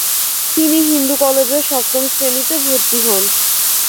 তিনি হিন্দু কলেজে সপ্তম শ্রেনীতে ভর্তি হন।